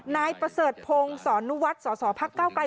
นายประเสริฐพงศ์สอนุวัฒน์สอสอภาคเก้าไกล